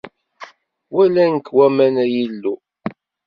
Walan-k waman, ay Illu!